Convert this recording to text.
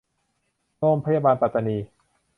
โรงพยาบาลปัตตานี